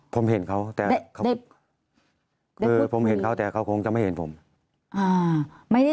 ผมเห็นเขาแต่เขาคงจะไม่เห็นผม